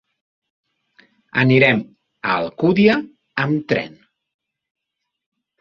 Anirem a Alcúdia amb tren.